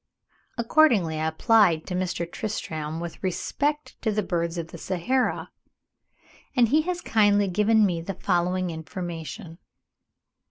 Accordingly, I applied to Mr. Tristram with respect to the birds of the Sahara, and he has kindly given me the following information.